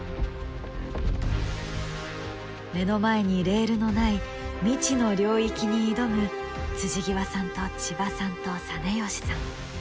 目の前にレールのない未知の領域に挑む極さんと千葉さんと實吉さん。